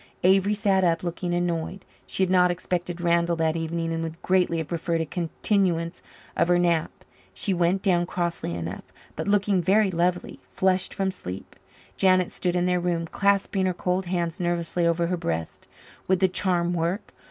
Avery sat up, looking annoyed. She had not expected Randall that evening and would greatly have preferred a continuance of her nap. She went down crossly enough, but looking very lovely, flushed from sleep. Janet stood in their room, clasping her cold hands nervously over her breast. Would the charm work?